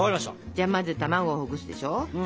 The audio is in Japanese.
じゃあまずたまごをほぐすでしょ。